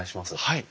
はい。